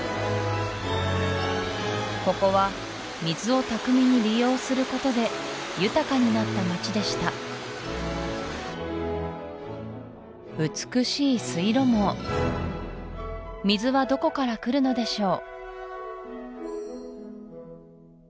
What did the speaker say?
ここは水を巧みに利用することで豊かになった街でした美しい水路網水はどこから来るのでしょう？